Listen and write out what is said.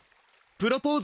ププロポーズ！？